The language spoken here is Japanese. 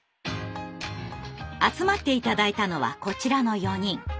集まって頂いたのはこちらの４人。